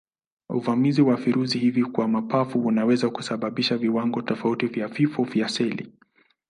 Uvamizi wa virusi hivi kwa mapafu unaweza kusababisha viwango tofauti vya vifo vya seli.